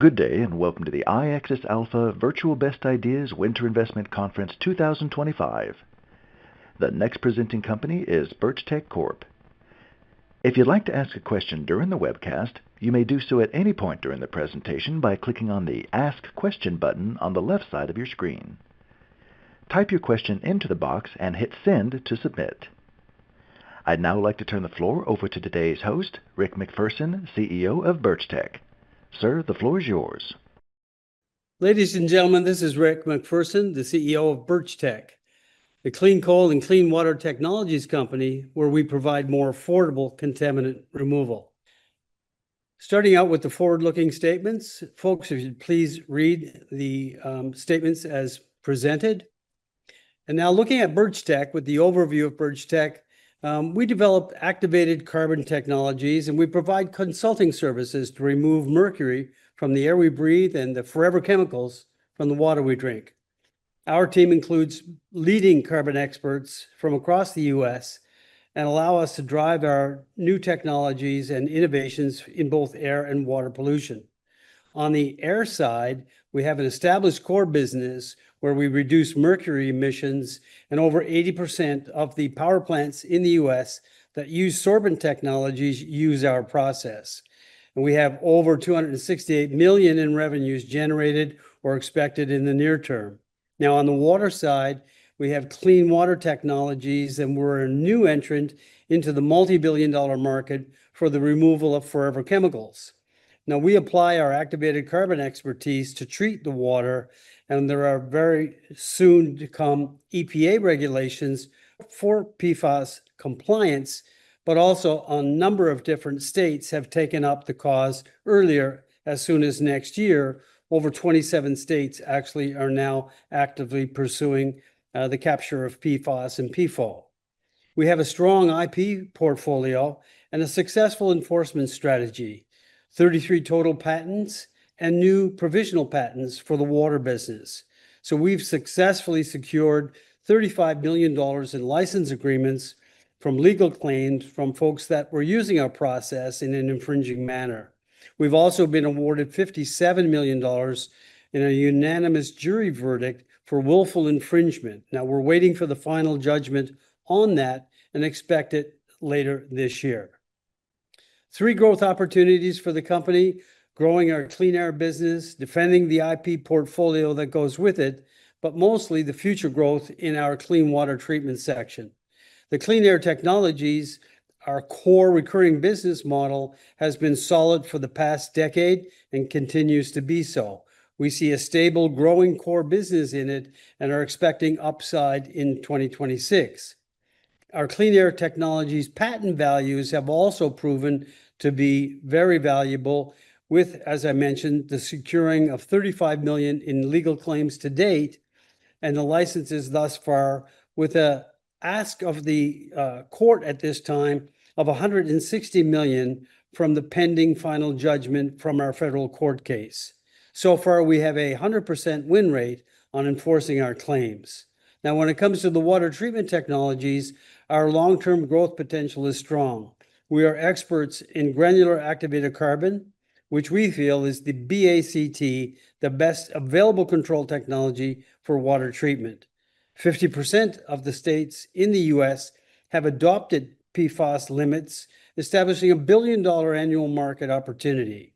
Good day, and welcome to the iAccess Alpha Virtual Best Ideas Winter Investment Conference 2025. The next presenting company is Birchtech Corp. If you'd like to ask a question during the webcast, you may do so at any point during the presentation by clicking on the Ask Question button on the left side of your screen. Type your question into the box and hit Send to submit. I'd now like to turn the floor over to today's host, Rick MacPherson, CEO of Birchtech. Sir, the floor is yours. Ladies and gentlemen, this is Rick MacPherson, the CEO of Birchtech, a clean coal and clean technologies company where we provide more affordable contaminant removal. Starting out with the forward-looking statements, folks, if you'd please read the statements as presented, and now looking at Birchtech with the overview of Birchtech, we develop activated carbon technologies and we provide consulting services to remove mercury from the we breathe and the forever chemicals from the water we drink. Our team includes leading carbon experts from across the U.S. and allow us to drive our new technologies and innovations in both air and water pollution. On the air side, we have an established core business where we reduce mercury emissions, and over 80% of the power plants in the U.S. that use sorbent technologies use our process. And we have over $268 million in revenues generated or expected in the near term. Now, on the water side, we have clean water technologies and we're a new entrant into the multi-billion-dollar market for the removal of forever chemicals. Now, we apply our activated carbon expertise to treat the water, and there are very soon to come EPA regulations for PFAS compliance, but also a number of different states have taken up the cause earlier. As soon as next year, over 27 states actually are now actively pursuing the capture of PFAS and PFOS. We have a strong IP portfolio and a successful enforcement strategy, 33 total patents, and new provisional patents for the water business. So we've successfully secured $35 million in license agreements from legal claims from folks that were using our process in an infringing manner. We've also been awarded $57 million in a unanimous jury verdict for willful infringement. Now we're waiting for the final judgment on that and expect it later this year. Three growth opportunities for the company: growing our clean air business, defending the IP portfolio that goes with it, but mostly the future growth in our clean water treatment section. The clean air technologies, our core recurring business model, has been solid for the past decade and continues to be so. We see a stable growing core business in it and are expecting upside in 2026. Our clean air technologies patent values have also proven to be very valuable, with, as I mentioned, the securing of $35 million in legal claims to date and the licenses thus far, with an ask of the court at this time of $160 million from the pending final judgment from our federal court case. So far, we have a 100% win rate on enforcing our claims. Now, when it comes to the water treatment technologies, our long-term growth potential is strong. We are experts in granular activated carbon, which we feel is the BACT, the best available control technology for water treatment. 50% of the states in the U.S. have adopted PFAS limits, establishing a billion-dollar annual market opportunity.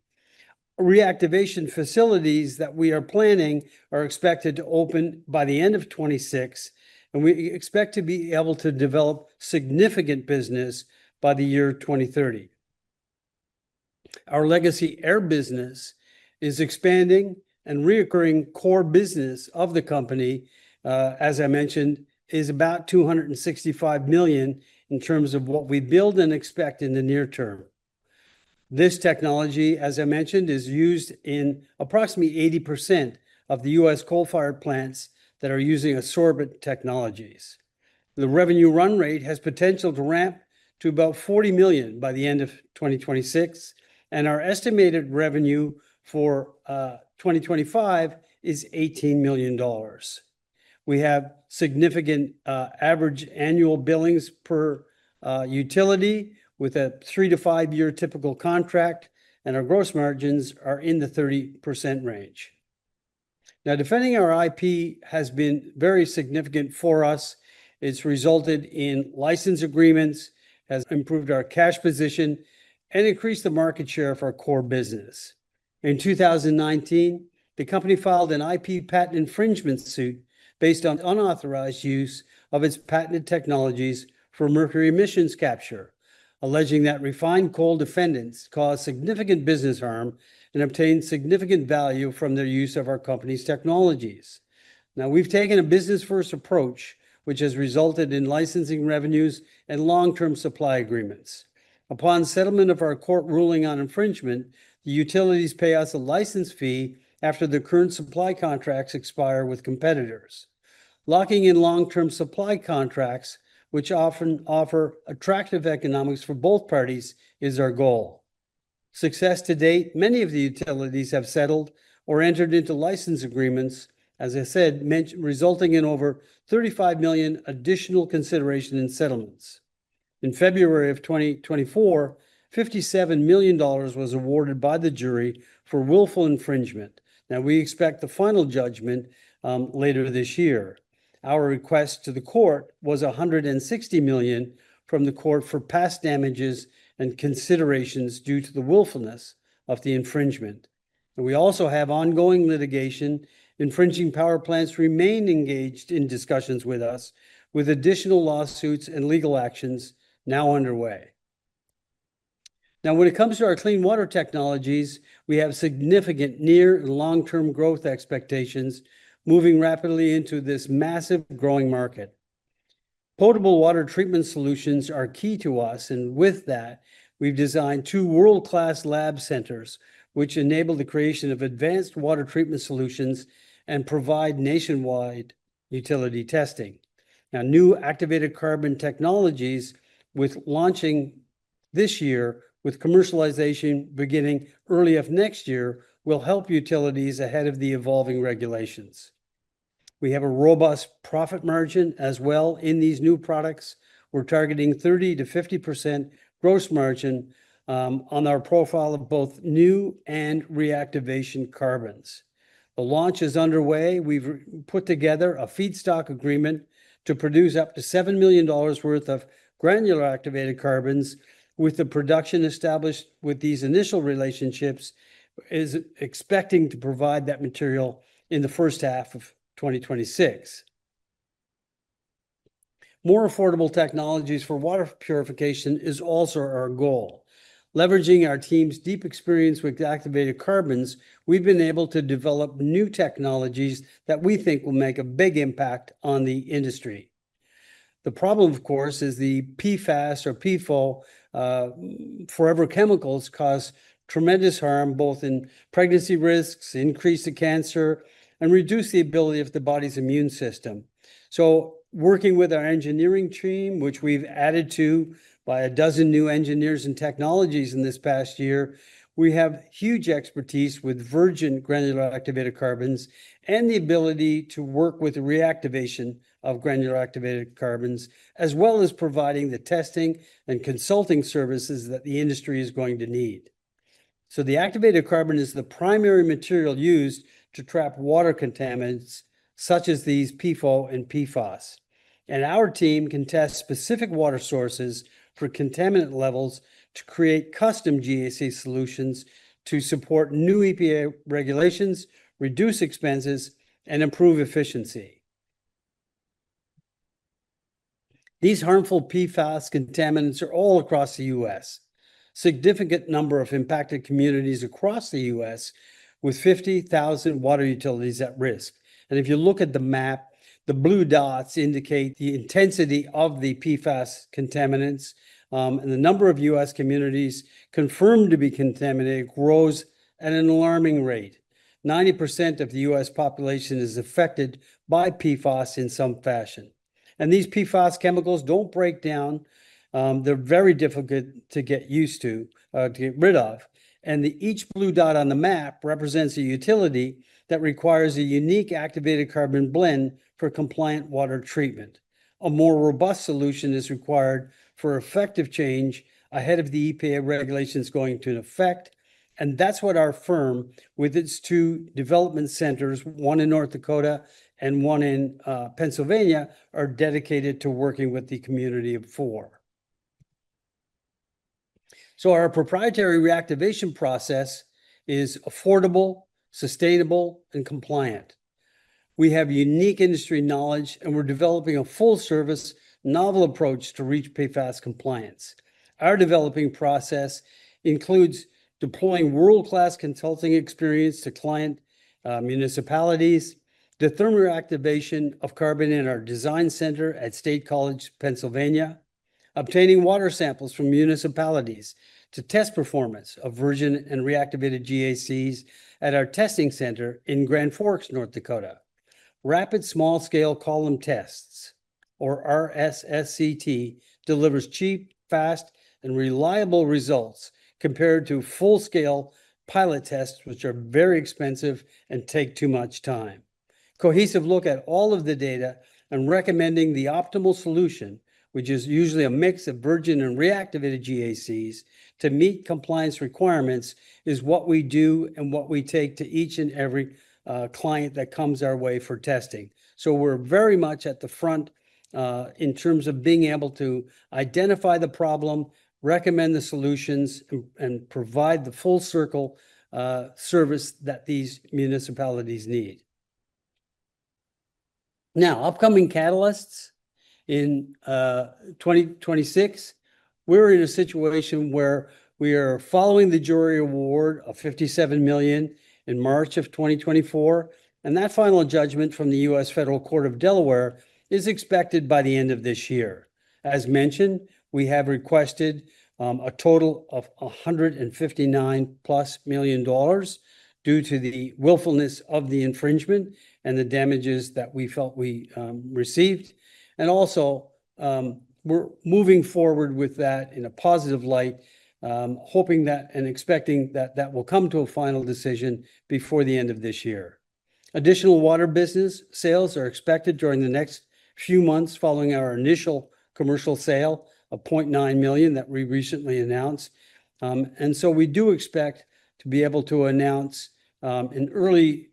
Reactivation facilities that we are planning are expected to open by the end of 2026, and we expect to be able to develop significant business by 2030. Our legacy air business is expanding, and recurring core business of the company, as I mentioned, is about $265 million in terms of what we build and expect in the near term. This technology, as I mentioned, is used in approximately 80% of the U.S. coal-fired plants that are using sorbent technologies. The revenue run rate has potential to ramp to about $40 million by the end of 2026, and our estimated revenue for 2025 is $18 million. We have significant average annual billings per utility with a 3- to 5-year typical contract, and our gross margins are in the 30% range. Now, defending our IP has been very significant for us. It's resulted in license agreements, has improved our cash position, and increased the market share of our core business. In 2019, the company filed an IP patent infringement suit based on unauthorized use of its patented technologies for mercury emissions capture, alleging that refined coal defendants caused significant business harm and obtained significant value from their use of our company's technologies. Now, we've taken a business-first approach, which has resulted in licensing revenues and long-term supply agreements. Upon settlement of our court ruling on infringement, the utilities pay us a license fee after the current supply contracts expire with competitors. Locking in long-term supply contracts, which often offer attractive economics for both parties, is our goal. Success to date, many of the utilities have settled or entered into license agreements, as I said, resulting in over $35 million additional consideration in settlements. In February of 2024, $57 million was awarded by the jury for willful infringement. Now, we expect the final judgment later this year. Our request to the court was $160 million from the court for past damages and considerations due to the willfulness of the infringement. And we also have ongoing litigation. Infringing power plants remain engaged in discussions with us, with additional lawsuits and legal actions now underway. Now, when it comes to our clean water technologies, we have significant near and long-term growth expectations, moving rapidly into this massive growing market. Potable water treatment solutions are key to us, and with that, we've designed two world-class lab centers, which enable the creation of advanced water treatment solutions and provide nationwide utility testing. Now, new activated carbon technologies, with launching this year, with commercialization beginning early of next year, will help utilities ahead of the evolving regulations. We have a robust profit margin as well in these new products. We're targeting 30%-50% gross margin on our profile of both new and reactivation carbons. The launch is underway. We've put together a feedstock agreement to produce up to $7 million worth of granular activated carbons, with the production established with these initial relationships, expecting to provide that material in the first half of 2026. More affordable technologies for water purification is also our goal. Leveraging our team's deep experience with activated carbons, we've been able to develop new technologies that we think will make a big impact on the industry. The problem, of course, is the PFAS or PFOS forever chemicals cause tremendous harm, both in pregnancy risks, increase the cancer, and reduce the ability of the body's immune system. So working with our engineering team, which we've added to by a dozen new engineers and technologies in this past year, we have huge expertise with virgin granular activated carbons and the ability to work with the reactivation of granular activated carbons, as well as providing the testing and consulting services that the industry is going to need. So the activated carbon is the primary material used to trap water contaminants such as these PFOS and PFAS. And our team can test specific water sources for contaminant levels to create custom GAC solutions to support new EPA regulations, reduce expenses, and improve efficiency. These harmful PFAS contaminants are all across the U.S., a significant number of impacted communities across the U.S., with 50,000 water utilities at risk. And if you look at the map, the blue dots indicate the intensity of the PFAS contaminants, and the number of U.S. communities confirmed to be contaminated grows at an alarming rate. 90% of the U.S. population is affected by PFAS in some fashion. And these PFAS chemicals don't break down. They're very difficult to get used to, to get rid of. And each blue dot on the map represents a utility that requires a unique activated carbon blend for compliant water treatment. A more robust solution is required for effective change ahead of the EPA regulations going into effect. That's what our firm, with its two development centers, one in North Dakota and one in Pennsylvania, are dedicated to working with the community of four. Our proprietary reactivation process is affordable, sustainable, and compliant. We have unique industry knowledge, and we're developing a full-service novel approach to reach PFAS compliance. Our developing process includes deploying world-class consulting experience to client municipalities. The thermal reactivation of carbon in our design center at State College, Pennsylvania, obtaining water samples from municipalities to test performance of virgin and reactivated GACs at our testing center in Grand Forks, North Dakota. Rapid small-scale column tests, or RSSCT, delivers cheap, fast, and reliable results compared to full-scale pilot tests, which are very expensive and take too much time. Cohesive look at all of the data and recommending the optimal solution, which is usually a mix of virgin and reactivated GACs to meet compliance requirements, is what we do and what we take to each and every client that comes our way for testing. So we're very much at the front in terms of being able to identify the problem, recommend the solutions, and provide the full-circle service that these municipalities need. Now, upcoming catalysts in 2026. We're in a situation where we are following the jury award of $57 million in March of 2024, and that final judgment from the U.S. Federal Court of Delaware is expected by the end of this year. As mentioned, we have requested a total of $159 plus million dollars due to the willfulness of the infringement and the damages that we felt we received. And also, we're moving forward with that in a positive light, hoping that and expecting that that will come to a final decision before the end of this year. Additional water business sales are expected during the next few months following our initial commercial sale of $0.9 million that we recently announced. And so we do expect to be able to announce in early,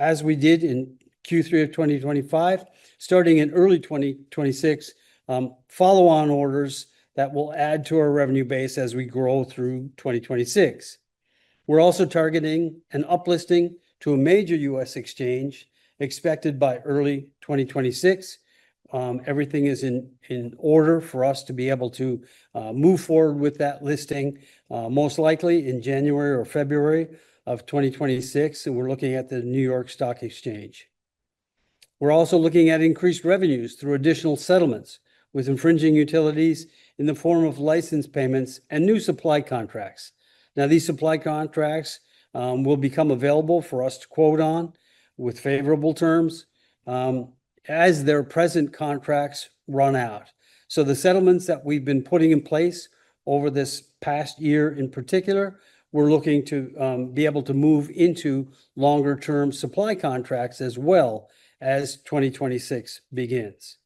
as we did in Q3 of 2025, starting in early 2026, follow-on orders that will add to our revenue base as we grow through 2026. We're also targeting an uplisting to a major U.S. exchange expected by early 2026. Everything is in order for us to be able to move forward with that listing most likely in January or February of 2026, and we're looking at the New York Stock Exchange. We're also looking at increased revenues through additional settlements with infringing utilities in the form of license payments and new supply contracts. Now, these supply contracts will become available for us to quote on with favorable terms as their present contracts run out. So the settlements that we've been putting in place over this past year in particular, we're looking to be able to move into longer-term supply contracts as well as 2026 begins.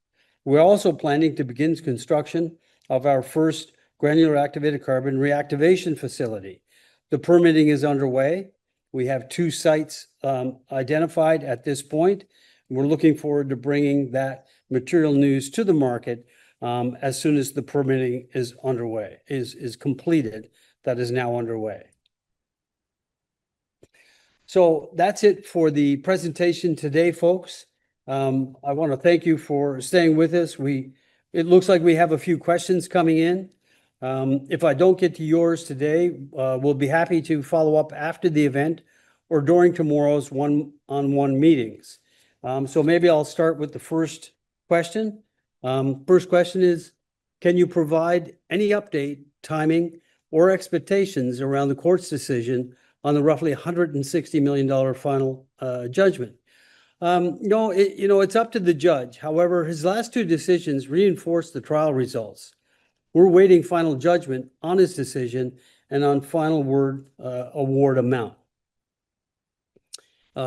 We're also planning to begin construction of our first granular activated carbon reactivation facility. The permitting is underway. We have two sites identified at this point. We're looking forward to bringing that material news to the market as soon as the permitting is underway, is completed, that is now underway. So that's it for the presentation today, folks. I want to thank you for staying with us. It looks like we have a few questions coming in. If I don't get to yours today, we'll be happy to follow up after the event or during tomorrow's one-on-one meetings. So maybe I'll start with the first question. First question is, can you provide any update, timing, or expectations around the court's decision on the roughly $160 million final judgment? No, it's up to the judge. However, his last two decisions reinforced the trial results. We're waiting final judgment on his decision and on final award amount.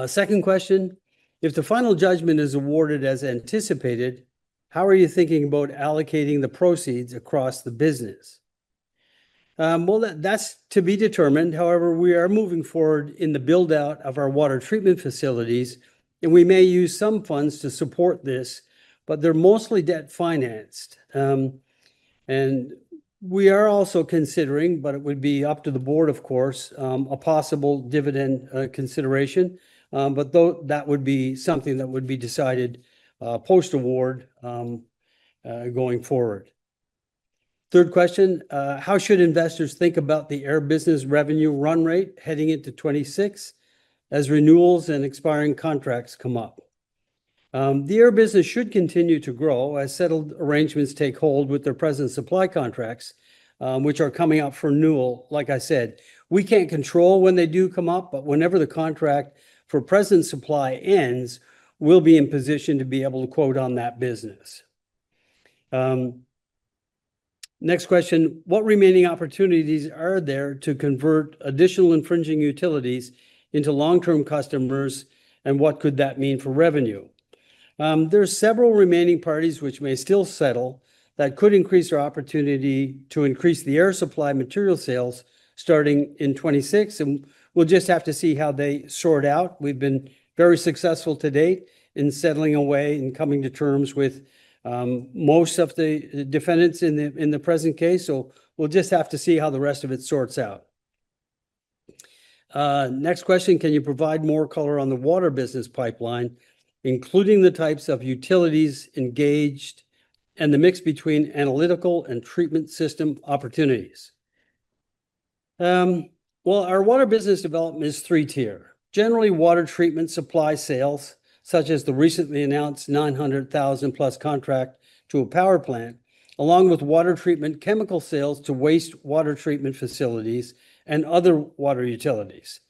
Second question, if the final judgment is awarded as anticipated, how are you thinking about allocating the proceeds across the business? Well, that's to be determined. However, we are moving forward in the build-out of our water treatment facilities, and we may use some funds to support this, but they're mostly debt financed. And we are also considering, but it would be up to the board, of course, a possible dividend consideration. But that would be something that would be decided post-award going forward. Third question, how should investors think about the air business revenue run rate heading into 2026 as renewals and expiring contracts come up? The air business should continue to grow as settled arrangements take hold with their present supply contracts, which are coming up for renewal. Like I said, we can't control when they do come up, but whenever the contract for present supply ends, we'll be in position to be able to quote on that business. Next question, what remaining opportunities are there to convert additional infringing utilities into long-term customers, and what could that mean for revenue? There are several remaining parties which may still settle that could increase our opportunity to increase the air supply material sales starting in 2026, and we'll just have to see how they sort out. We've been very successful to date in settling away and coming to terms with most of the defendants in the present case, so we'll just have to see how the rest of it sorts out. Next question, can you provide more color on the water business pipeline, including the types of utilities engaged and the mix between analytical and treatment system opportunities? Our water business development is three-tier. Generally, water treatment supply sales, such as the recently announced $900,000-plus contract to a power plant, along with water treatment chemical sales to wastewater treatment facilities and other water utilities.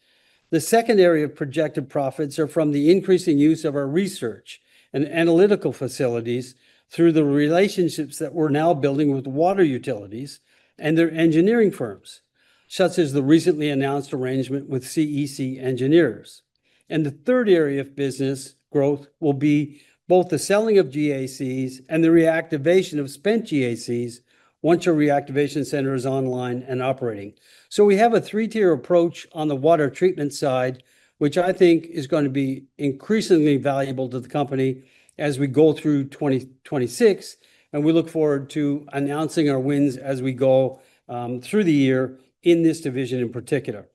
The second area of projected profits are from the increasing use of our research and analytical facilities through the relationships that we're now building with water utilities and their engineering firms, such as the recently announced arrangement with CEC Engineers. And the third area of business growth will be both the selling of GACs and the reactivation of spent GACs once your reactivation center is online and operating. So we have a three-tier approach on the water treatment side, which I think is going to be increasingly valuable to the company as we go through 2026, and we look forward to announcing our wins as we go through the year in this division in particular.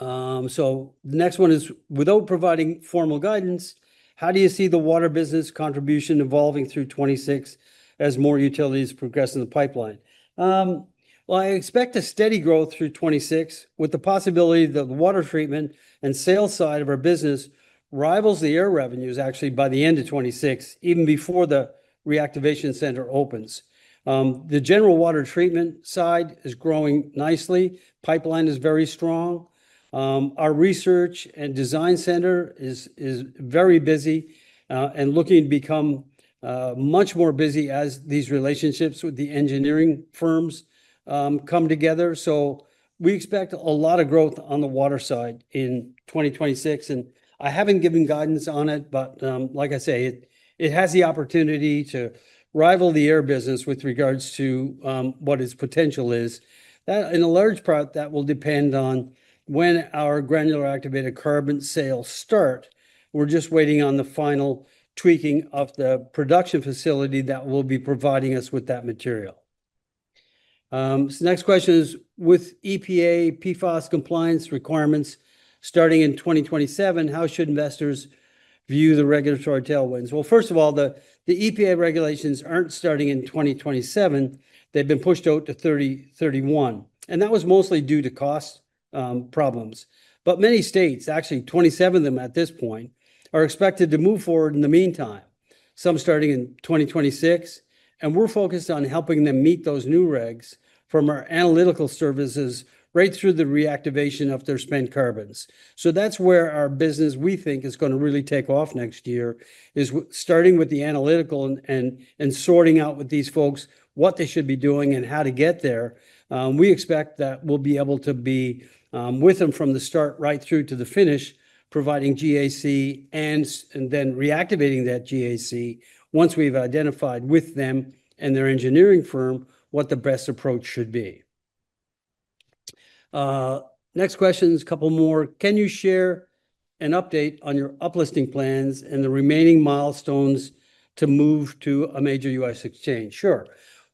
So the next one is, without providing formal guidance, how do you see the water business contribution evolving through 2026 as more utilities progress in the pipeline? I expect a steady growth through 2026 with the possibility that the water treatment and sales side of our business rivals the air revenues actually by the end of 2026, even before the reactivation center opens. The general water treatment side is growing nicely. Pipeline is very strong. Our research and design center is very busy and looking to become much more busy as these relationships with the engineering firms come together. So we expect a lot of growth on the water side in 2026. And I haven't given guidance on it, but like I say, it has the opportunity to rival the air business with regards to what its potential is. In a large part, that will depend on when our granular activated carbon sales start. We're just waiting on the final tweaking of the production facility that will be providing us with that material. Next question is, with EPA PFAS compliance requirements starting in 2027, how should investors view the regulatory tailwinds? Well, first of all, the EPA regulations aren't starting in 2027. They've been pushed out to 2031. And that was mostly due to cost problems. But many states, actually 27 of them at this point, are expected to move forward in the meantime, some starting in 2026. And we're focused on helping them meet those new regs from our analytical services right through the reactivation of their spent carbons. So that's where our business, we think, is going to really take off next year, is starting with the analytical and sorting out with these folks what they should be doing and how to get there. We expect that we'll be able to be with them from the start right through to the finish, providing GAC and then reactivating that GAC once we've identified with them and their engineering firm what the best approach should be. Next questions, a couple more. Can you share an update on your uplisting plans and the remaining milestones to move to a major U.S. exchange? Sure.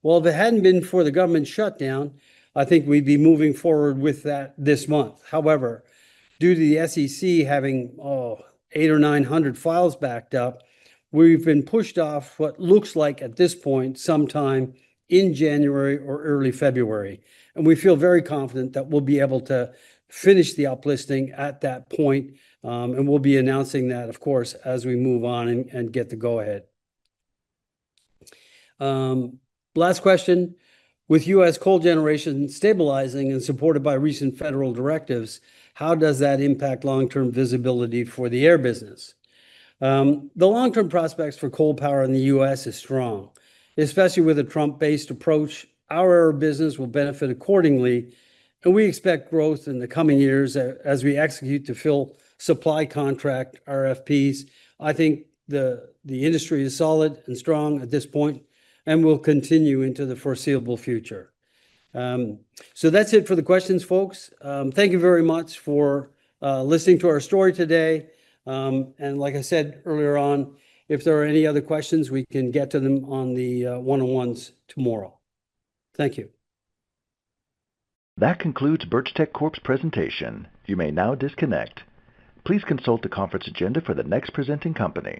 Well, if it hadn't been for the government shutdown, I think we'd be moving forward with that this month. However, due to the SEC having eight or 900 files backed up, we've been pushed off what looks like at this point sometime in January or early February. And we feel very confident that we'll be able to finish the uplisting at that point. And we'll be announcing that, of course, as we move on and get the go-ahead. Last question. With U.S. coal generation stabilizing and supported by recent federal directives, how does that impact long-term visibility for the air business? The long-term prospects for coal power in the U.S. is strong, especially with a Trump-based approach. Our business will benefit accordingly, and we expect growth in the coming years as we execute to fill supply contract RFPs. I think the industry is solid and strong at this point, and will continue into the foreseeable future, so that's it for the questions, folks. Thank you very much for listening to our story today, and like I said earlier on, if there are any other questions, we can get to them on the one-on-ones tomorrow. Thank you. That concludes Birchtech Corp's presentation. You may now disconnect. Please consult the conference agenda for the next presenting company.